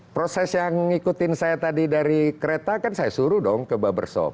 proses yang ngikutin saya tadi dari kereta kan saya suruh dong ke barbershop